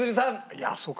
いやあそうか。